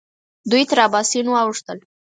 دوی تر اباسین واوښتل.